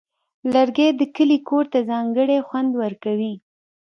لرګی د کلي کور ته ځانګړی خوند ورکوي.